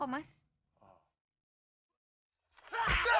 gak apa apa kok mas